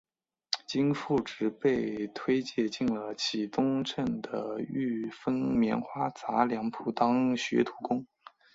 经父执辈推介进了启东镇的裕丰棉花杂粮铺当学徒工。